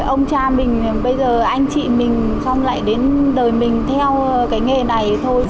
ông cha mình bây giờ anh chị mình xong lại đến đời mình theo cái nghề này thôi